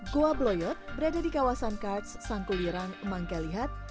goa bloyot berada di kawasan karts sangku liran mangka lihat